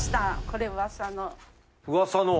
これ噂の。